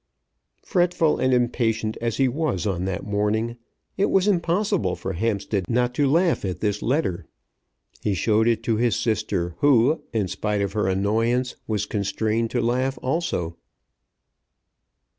Fretful and impatient as he was on that morning, it was impossible for Hampstead not to laugh at this letter. He showed it to his sister, who, in spite of her annoyance, was constrained to laugh also.